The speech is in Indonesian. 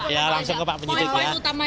ya langsung ke pak penyidik ya